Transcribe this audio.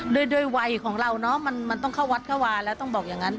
ด้วยวัยของเราเนอะมันต้องเข้าวัดเข้าวาแล้วต้องบอกอย่างนั้น